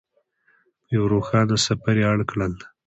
په یوه روښانه سفر یې اړ کړل.